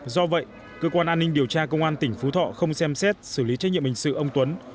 do vậy cơ quan an ninh điều tra công an tỉnh phú thọ không xem xét xử lý trách nhiệm hình sự ông tuấn